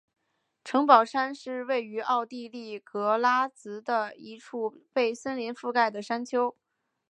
城堡山是位于奥地利格拉兹的一处被森林覆盖的山丘。